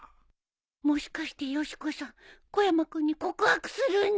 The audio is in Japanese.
もしかしてよし子さん小山君に告白するんじゃ。